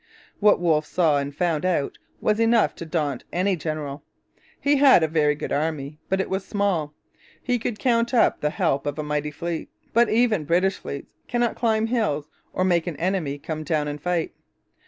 What Wolfe saw and found out was enough to daunt any general. He had a very good army, but it was small. He could count upon the help of a mighty fleet, but even British fleets cannot climb hills or make an enemy come down and fight.